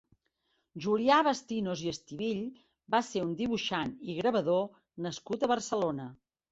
Julià Bastinos i Estivill va ser un dibuixant i gravador nascut a Barcelona.